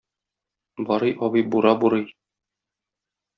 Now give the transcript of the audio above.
Барый абый бура бурый.